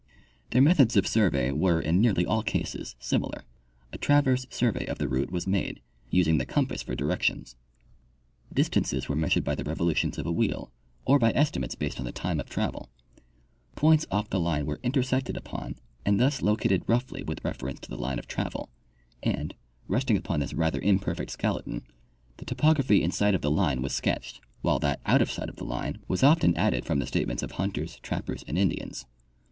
Their methods of survey were, in nearly all cases, similar : A traverse survey of the route was made, using the compass for directions. Distances Avere measured by the 'revolutions of a Avheel or by estimates based upon the time of travel. Points off the line Avere intersected upon and thus located roughly Avith refer Military Ex])lorations and Surveys. 105 ence to the line of travel, and, resting upon this rather imperfect skeleton, the topography in sight of the line was sketched, while that out of sight of the line was often added from the statements of hunters, trappers and Indians.